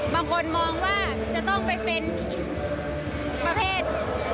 บางคนมองว่าจะต้องไปเป็นประเภท